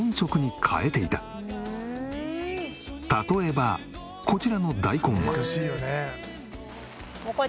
例えばこちらの大根は。